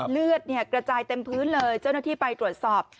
เลือดกระจายเต็มพื้นเลยเจ้าหน้าที่ไปตรวจสอบ